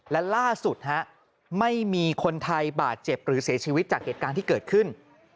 และล่าสุดไม่มีคนไทยบาดเจ็บหรือเสียชีวิตจากเหตุการณ์ที่เกิดขึ้น